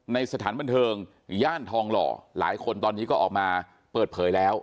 สถานบันเทิงย่านทองหล่อหลายคนตอนนี้ก็ออกมาเปิดเผยแล้ว